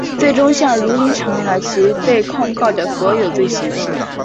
最终向汝霖承认了其被控告的所有罪行。